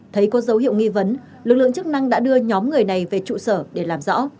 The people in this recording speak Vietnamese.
thấy có dấu hiệu nghi vấn lực lượng chức năng đã đưa nhóm người này về trụ sở để làm rõ